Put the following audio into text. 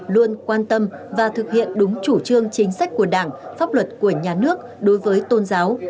luôn quan tâm và thực hiện đúng chủ trương chính sách của đảng pháp luật của nhà nước đối với tôn giáo